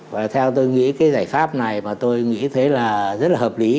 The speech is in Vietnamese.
và theo tôi nghĩ cái giải pháp này mà tôi nghĩ thấy là rất là hợp lý